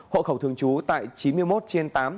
hộ khẩu thường trú tại chín mươi một trên tám